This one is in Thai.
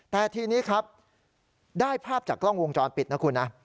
แต่ทีนี้ครับได้ภาพจากกล้องวงจรปิดนะคุณนะ